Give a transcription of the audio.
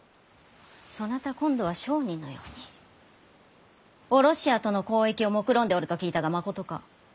そなた今度は商人のようにヲロシアとの交易をもくろんでおると聞いたがまことか！？